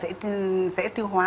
dễ tiêu hóa